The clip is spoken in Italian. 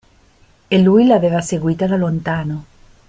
E lui l'aveva seguita da lontano.